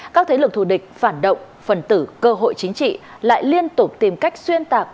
các thế lực thù địch phản động phần tử cơ hội chính trị lại liên tục tìm cách xuyên tạc